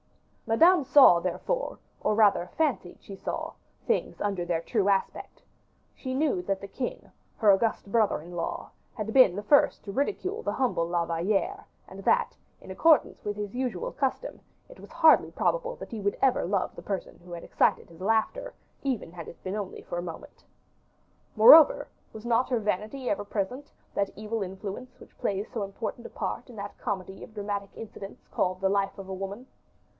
Madame saw, therefore, or rather fancied she saw, things under their true aspect; she knew that the king, her august brother in law, had been the first to ridicule the humble La Valliere, and that, in accordance with his usual custom, it was hardly probable he would ever love the person who had excited his laughter, even had it been only for a moment. Moreover, was not her vanity ever present, that evil influence which plays so important a part in that comedy of dramatic incidents called the life of a woman?